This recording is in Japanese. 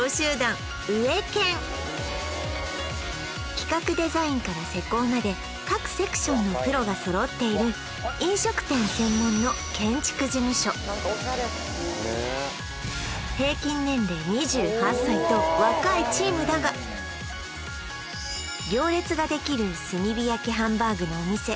企画・デザインから施工まで各セクションのプロが揃っていると若いチームだが行列ができる炭火焼きハンバーグのお店